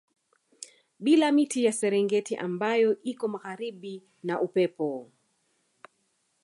Bila miti ya Serengeti ambayo iko magharibi na Upepo